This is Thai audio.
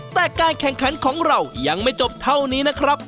แต่การแข่งขันของเรายังไม่จบเท่านี้นะครับ